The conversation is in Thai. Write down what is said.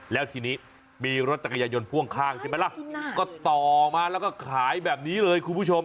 แล้วทีนี้มีรถจักรยายนพ่วงข้างใช่ไหมล่ะก็ต่อมาแล้วก็ขายแบบนี้เลยคุณผู้ชม